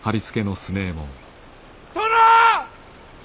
殿！